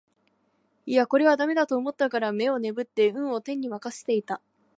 いやこれは駄目だと思ったから眼をねぶって運を天に任せていた